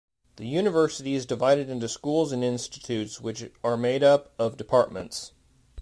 The university is divided into schools and institutes, which are made up of departments.